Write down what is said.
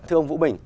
thưa ông vũ bình